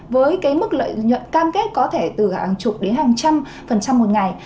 với cái mức lợi nhuận cam kết có thể từ hàng chục đến hàng trăm phần trăm một ngày